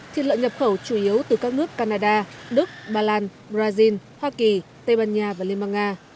thịt lợn nhập khẩu chủ yếu từ các nước canada đức bà lan brazil hoa kỳ tây ban nha và liên bang nga